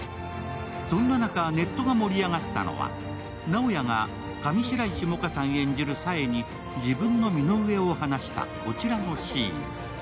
そんな中、ネットが盛り上がったのは、直哉が上白石萌歌さん演じる紗枝に自分の身の上を話したこちらのシーン。